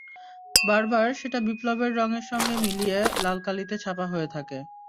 বরাবর সেটা বিপ্লবের রঙের সঙ্গে মিলিয়ে লাল কালিতে ছাপা হয়ে থাকে।